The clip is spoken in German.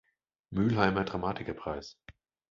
Mülheimer Dramatikerpreis.